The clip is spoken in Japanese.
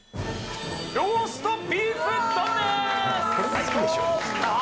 ローストビーフ丼です。